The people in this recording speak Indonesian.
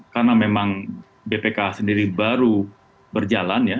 karena memang bpk sendiri baru berjalan ya